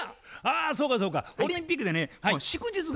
あそうかそうかオリンピックでね祝日が移動して。